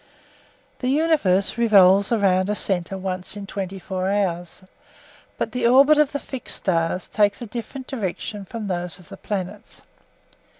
The universe revolves around a centre once in twenty four hours, but the orbits of the fixed stars take a different direction from those of the planets.